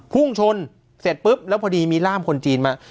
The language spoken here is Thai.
พุ่งชนเสร็จปุ๊บแล้วพอดีมีร่ามคนจีนมา